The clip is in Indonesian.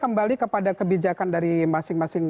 kembali kepada kebijakan dari masing masing